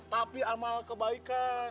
tapi amal kebaikan